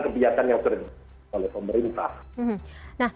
kami ingin memasuki kebijakan kebijakan yang sudah dilihat oleh pemerintah